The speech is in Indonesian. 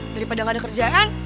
daripada gak ada kerjaan